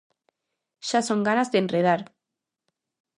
Xa son ganas de enredar...